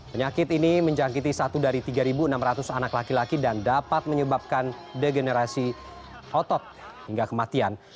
penyakit ini menjangkiti satu dari tiga enam ratus anak laki laki dan dapat menyebabkan degenerasi otot hingga kematian